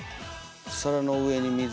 皿の上に水。